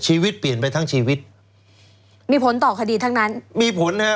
ชีวิตเปลี่ยนไปทั้งชีวิตมีผลต่อคดีทั้งนั้นมีผลฮะ